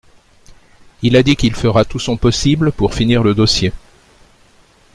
Il a dit qu’il fera tout son possible pour finir le dossier.